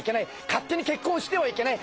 勝手に結婚してはいけない。